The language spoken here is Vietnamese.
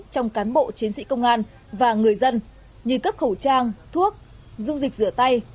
trong cán bộ chiến sĩ công an và người dân như cấp khẩu trang thuốc dung dịch rửa tay